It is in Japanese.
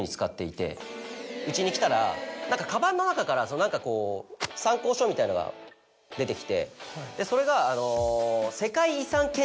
うちに来たらカバンの中から何かこう参考書みたいなのが出てきてでそれがあの。